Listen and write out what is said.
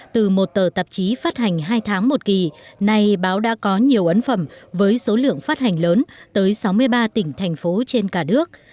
từ một tờ tạp chí phát hành hai tháng một kỳ nay báo đã có nhiều ấn phẩm với số lượng phát hành lớn tới sáu mươi ba tỉnh thành phố trên cả nước